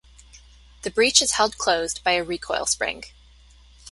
The breech is held closed by a recoil spring.